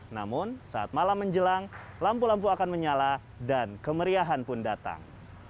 namun saat malam menjelang lampu lampu akan menyala dan kemeriahan pun datang